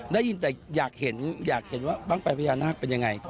ได้ยินแต่อยากเห็นว่าบ้างไฟพญานาคเป็นอย่างไร